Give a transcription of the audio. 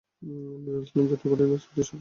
নজরুল ইসলাম জাতীয় পার্টির রাজনীতির সাথে যুক্ত।